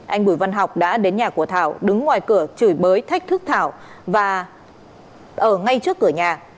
anh bùi văn học đã đến nhà của thảo đứng ngoài cửa chửi bới thách thức thảo và ở ngay trước cửa nhà